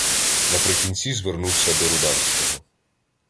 Наприкінці звернувся до Руданського: